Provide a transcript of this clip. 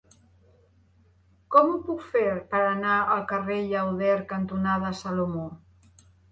Com ho puc fer per anar al carrer Llauder cantonada Salomó?